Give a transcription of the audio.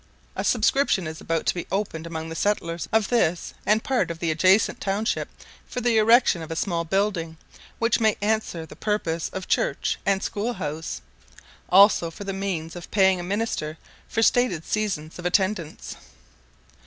A subscription is about to be opened among the settlers of this and part of the adjacent township for the erection of a small building, which may answer the purpose of church and school house; also for the means of paying a minister for stated seasons of attendance.